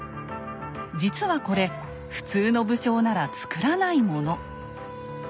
実はこれ普通の武将ならつくらないもの。